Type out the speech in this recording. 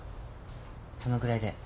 そのぐらいで。